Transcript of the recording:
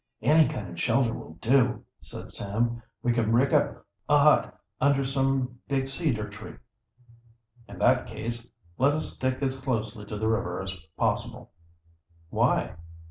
"Any kind of shelter will do," said Sam. "We can rig up a hut under some big cedar tree." "In that case, let us stick as closely to the river as possible." "Why?"